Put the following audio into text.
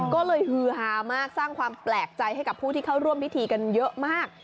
ก็เลยฮือฮามากสร้างความแปลกใจให้กับผู้ที่เข้าร่วมพิธีกันเยอะมาก